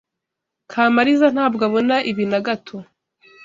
Kamaliza ntabwo abona ibi na gato.